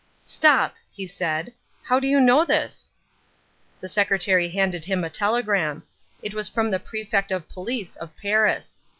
"Stop!" he said, "how do you know this?" The secretary handed him a telegram. It was from the Prefect of Police of Paris.